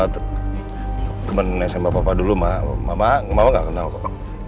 temen smp papa dulu mama gak kenal kok